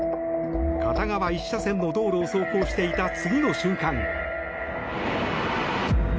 片側１車線の道路を走行していた次の瞬間。